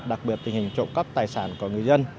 đặc biệt tình hình trộm cắp tài sản của người dân